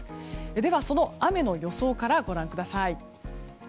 では、その雨の予想からご覧ください。